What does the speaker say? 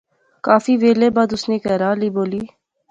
کافی ویلے بعد اس نے کہھرے آلی بولی